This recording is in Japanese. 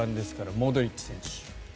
モドリッチ選手。